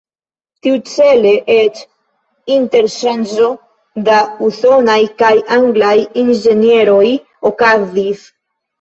Tiucele eĉ interŝanĝo da usonaj kaj anglaj inĝenieroj okazis.